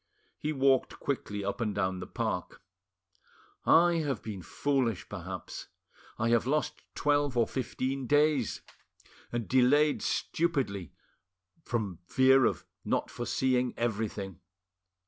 He walked quickly up and down the park— "I have been foolish, perhaps; I have lost twelve or fifteen days, and delayed stupidly from fear of not foreseeing everything.